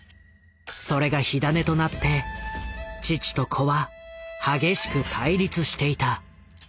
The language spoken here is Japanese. それが火種となって父と子は激しく対立していた。